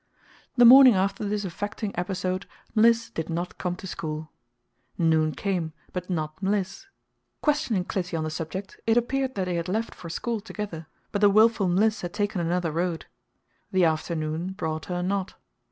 The morning after this affecting episode Mliss did not come to school. Noon came, but not Mliss. Questioning Clytie on the subject, it appeared that they had left the school together, but the willful Mliss had taken another road. The afternoon brought her not.